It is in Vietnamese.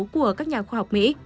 của các nhà khoa học mỹ